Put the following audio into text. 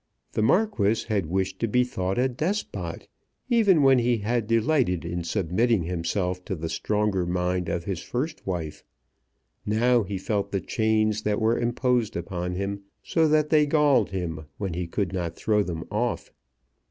The Marquis had wished to be thought a despot even when he had delighted in submitting himself to the stronger mind of his first wife. Now he felt the chains that were imposed upon him, so that they galled him when he could not throw them off.